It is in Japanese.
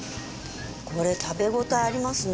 これ食べ応えありますね